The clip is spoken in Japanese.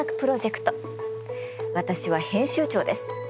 私は編集長です。